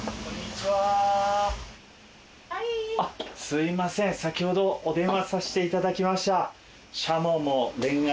すいません先ほどお電話させていただきました。